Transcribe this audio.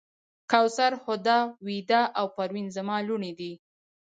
کوثر، هُدا، ویدا او پروین زما لوڼې دي.